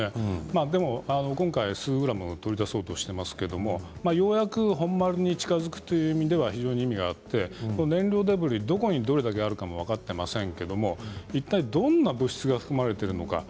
今回数グラム取り出そうとしていますけどようやく本丸に近づくという意味では非常に意味があって燃料デブリ、どこにどれだけあるかも分かっていませんけどいったいどんな物質が含まれているのか